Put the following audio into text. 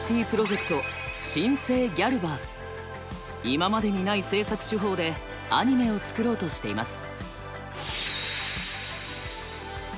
今までにない制作手法でアニメを作ろうとしています。